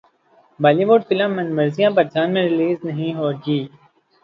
بولی would film Manmarziyaan Pakistan میں release نہیں ہوگی